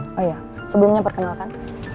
oh iya sebelumnya perkenalkan